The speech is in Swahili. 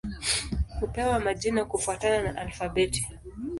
Hupewa majina kufuatana na alfabeti.